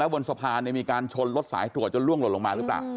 แล้วบนสภาในมีการชนรถสายถั่วจนล่วงลงมาหรือเปล่า